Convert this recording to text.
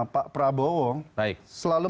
pak prabowo selalu